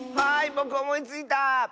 ぼくおもいついた！